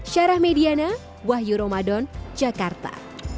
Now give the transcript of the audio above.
secara mediana wahyu romadhon jakarta